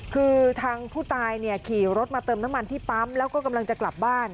คือทางผู้ตายเนี่ยขี่รถมาเติมน้ำมันที่ปั๊มแล้วก็กำลังจะกลับบ้าน